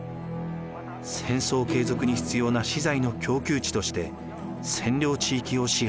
戦争継続に必要な資材の供給地として占領地域を支配。